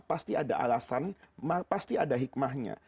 pasti ada alasan pasti ada hikmahnya